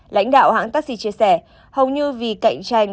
lãnh đạo hãng taxi chia sẻ hầu như vì cạnh tranh